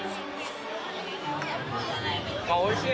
あっおいしい！